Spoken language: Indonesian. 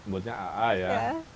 buatnya aa ya